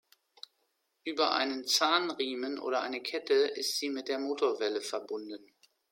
Über einen Zahnriemen oder eine Kette ist sie mit der Motorwelle verbunden.